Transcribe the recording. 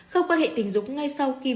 không quan hệ tình dục ngay sau khi